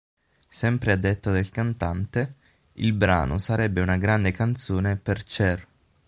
Sempre a detta del cantante, il brano "sarebbe una grande canzone per Cher".